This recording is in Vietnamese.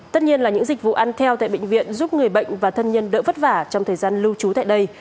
tất nhiên là những dịch vụ ăn theo tại bệnh viện giúp người bệnh và thân nhân đỡ vất vả trong thời gian lưu trú tại đây